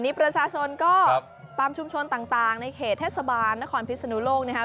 นี่ประชาชนก็ตามชุมชนต่างในเขตเทศบาลนครพิศนุโลกนะครับ